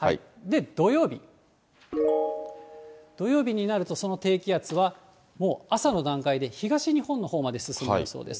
土曜日、土曜日になると、その低気圧は、もう朝の段階で東日本のほうまで進む予想です。